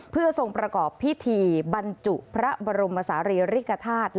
เพื่อทรงประกอบพิธีบรรจุพระบรมศาลีริกฐาตุ